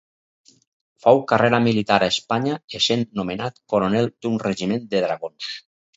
Féu carrera militar a Espanya essent nomenat coronel d'un regiment de dragons.